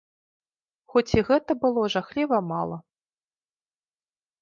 Хоць і гэта было жахліва мала.